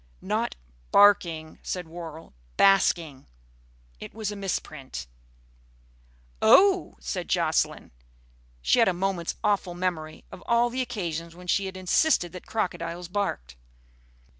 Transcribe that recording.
'" "Not 'barking,'" said Worrall. "'Basking.' It was a misprint." "Oh!" said Jocelyn. She had a moment's awful memory of all the occasions when she had insisted that crocodiles barked.